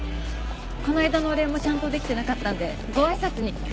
この間のお礼もちゃんとできてなかったんでご挨拶に。